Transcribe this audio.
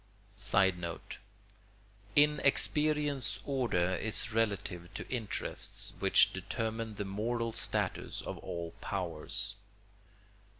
[Sidenote: In experience order is relative to interests, which determine the moral status of all powers.